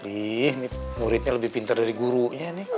lebih muridnya lebih pintar dari gurunya nih